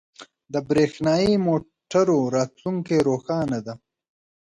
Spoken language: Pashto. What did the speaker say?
• د برېښنايی موټرو راتلونکې روښانه ده.